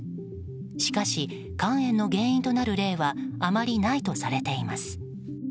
しかし、肝炎の原因となる例はあまりないとされています。